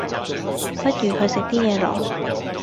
不如去食啲嘢囉